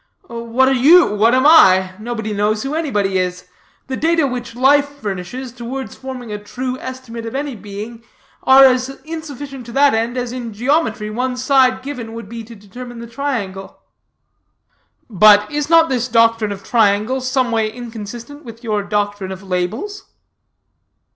"What are you? What am I? Nobody knows who anybody is. The data which life furnishes, towards forming a true estimate of any being, are as insufficient to that end as in geometry one side given would be to determine the triangle." "But is not this doctrine of triangles someway inconsistent with your doctrine of labels?"